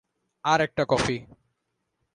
আর একটা কফি।